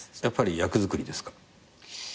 やっぱり役作りですか？